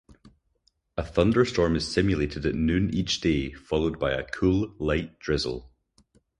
A thunderstorm is simulated at noon each day, followed by a cool, light drizzle.